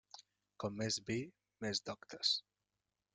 Com més vi més doctes.